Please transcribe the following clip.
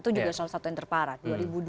itu juga salah satu yang terparat